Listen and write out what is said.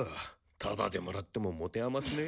タダでもらっても持て余すね。